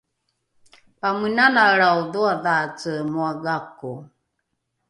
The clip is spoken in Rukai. pamenanaelrao dhoadhaace moa gako